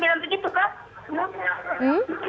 memang begitu kah